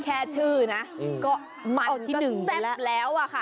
แค่ชื่อนะก็มันก็แซ่บแล้วอะค่ะ